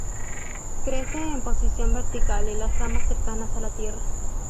Crece en posición vertical y las ramas cercanas a la tierra.